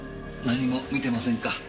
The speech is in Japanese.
何も見てませんか？